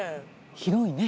広いね。